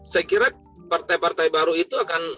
saya kira partai partai baru itu akan